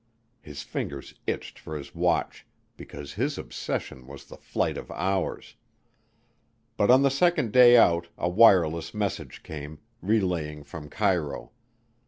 His fingers itched for his watch, because his obsession was the flight of hours. But on the second day out a wireless message came, relaying from Cairo.